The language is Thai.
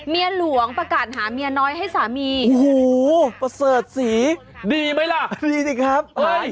เมียหลวงประกาศหาเมียน้อยให้สามีโอ้โหประเสริฐศรีดีไหมล่ะดีสิครับเฮ้ย